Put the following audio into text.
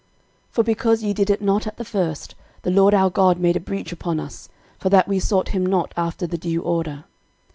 13:015:013 For because ye did it not at the first, the LORD our God made a breach upon us, for that we sought him not after the due order.